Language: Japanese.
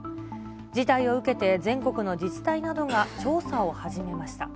事態を受けて、全国の自治体などが調査を始めました。